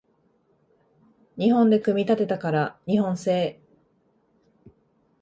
日本で組み立てたから日本製